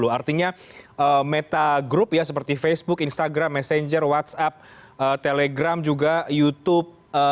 artinya meta group ya seperti facebook instagram messenger whatsapp telegram juga youtube